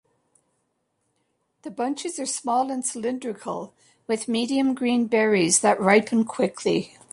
The bunches are small and cylindrical, with medium green berries that ripen quickly.